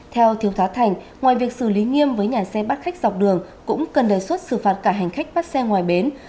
theo thiếu thá thành ngoài việc xử lý nghiêm với nhà xe bắt khách dọc đường cũng cần đề xuất xử phạt cả hành khách bắt xe ngoài bến